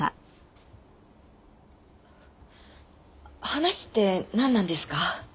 話ってなんなんですか？